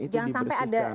jangan sampai ada